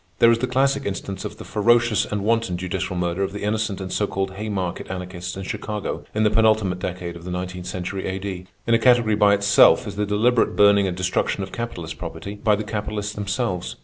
There is the classic instance of the ferocious and wanton judicial murder of the innocent and so called Haymarket Anarchists in Chicago in the penultimate decade of the nineteenth century A.D. In a category by itself is the deliberate burning and destruction of capitalist property by the capitalists themselves.